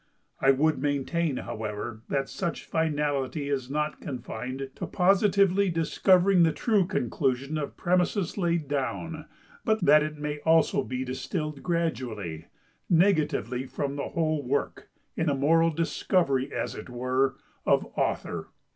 I would maintain, however, that such finality is not confined to positively discovering the true conclusion of premises laid down; but that it may also distil gradually, negatively from the whole work, in a moral discovery, as it were, of Author.